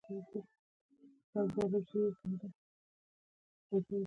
په شاداب ظفر شمال اړخ ته و.